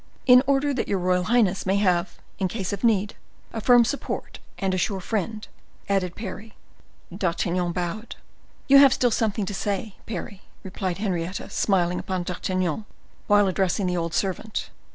"In order that your royal highness may have, in case of need, a firm support and a sure friend," added Parry. D'Artagnan bowed. "You have still something to say, Parry," replied Henrietta, smiling upon D'Artagnan, while addressing the old servant.